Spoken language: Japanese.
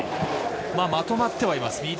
まとまってはいます。